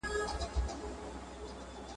بلکې د ښځي په فطرت کي ده